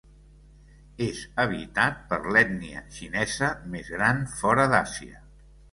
És habitat per l'ètnia xinesa més gran fora d’Àsia.